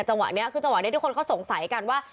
จังหวะนี้ทุกคนสงสัยกันว่า